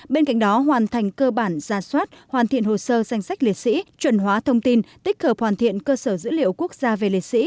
bên cạnh đó hoàn thành cơ bản ra soát hoàn thiện hồ sơ danh sách liệt sĩ chuẩn hóa thông tin tích hợp hoàn thiện cơ sở dữ liệu quốc gia về liệt sĩ